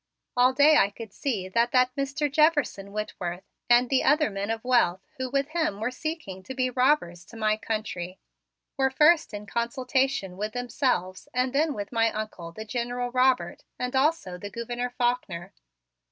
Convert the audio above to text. All day I could see that that Mr. Jefferson Whitworth and the other men of wealth who with him were seeking to be robbers to my Country, were first in consultation with themselves and then with my Uncle, the General Robert, and also the Gouverneur Faulkner.